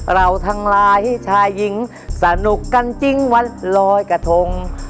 เราทั้งหลายชายหญิงสนุกกันจริงวันลอยกระทง